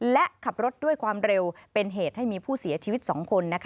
และขับรถด้วยความเร็วเป็นเหตุให้มีผู้เสียชีวิต๒คน